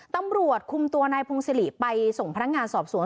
ตำรวจคุมตัวนายพงศิริไปส่งพนักงานสอบสวน